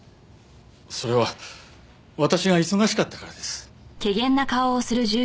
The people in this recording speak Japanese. それは私が忙しかったからです。